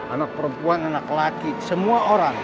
anak perempuan anak laki semua orang